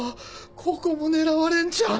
ここも狙われんじゃん！